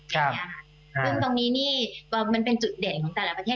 ซึ่งตรงนี้นี่ก็มันเป็นจุดเด่นของแต่ละประเทศ